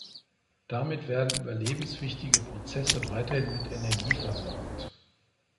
Damit werden überlebenswichtige Prozesse weiterhin mit Energie versorgt.